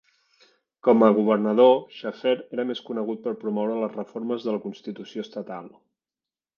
Com a governador, Shafer era més conegut per promoure les reformes de la Constitució estatal.